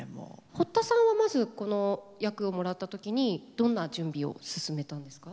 堀田さんはまずこの役をもらった時にどんな準備を進めたんですか？